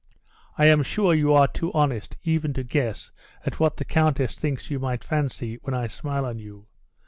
I am sure you are too honest even to guess at what the countess thinks you might fancy when I smile on you.